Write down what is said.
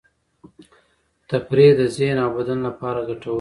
تفریح د ذهن او بدن لپاره ګټور دی.